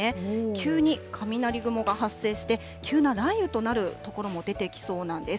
急に雷雲が発生して、急な雷雨となる所も出てきそうなんです。